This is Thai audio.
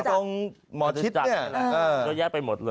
ตรงหมอชิดเนี่ยนี่แยะไปหมดเลย